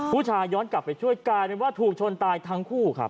ย้อนกลับไปช่วยกลายเป็นว่าถูกชนตายทั้งคู่ครับ